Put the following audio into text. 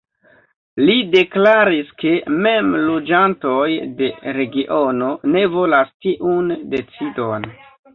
Li deklaris ke mem loĝantoj de regiono ne volas tiun decidon.